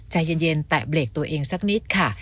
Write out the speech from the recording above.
ใจเย็นแตะเบรกตัวเองสักนิดค่ะ